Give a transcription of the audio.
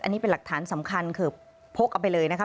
อันนี้เป็นหลักฐานสำคัญคือพกเอาไปเลยนะคะ